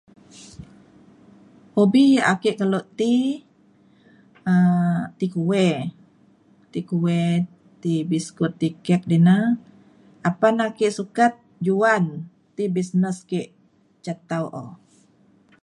hobi yak ake kelo ti um ti kueh. ti kueh ti biskut ti kek di na apan ake sukat juan ti bisnes ke ca tau o